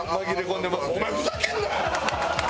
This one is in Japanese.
お前ふざけんな！